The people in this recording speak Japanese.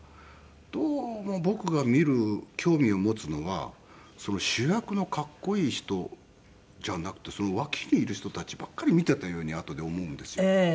どうも僕が見る興味を持つのは主役の格好いい人じゃなくてその脇にいる人たちばっかり見ていたようにあとで思うんですよ。